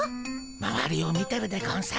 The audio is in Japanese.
まわりを見てるでゴンス。